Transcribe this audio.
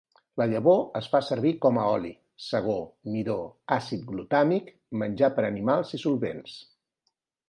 La llavor es fa servir com a oli, segó, midó, àcid glutàmic, menjar per animals i solvents.